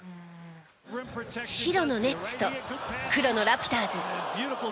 白のネッツと黒のラプターズ。